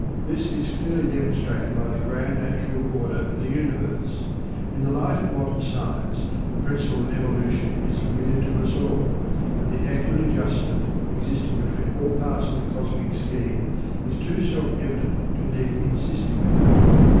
This is clearly demonstrated by the grand natural order of the universe. In the light of modern science the principle of evolution is familiar to us all, and the accurate adjustment existing between all parts of the cosmic scheme is too self evident to need insisting upon.